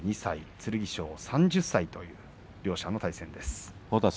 剣翔は３０歳という両者の対戦です。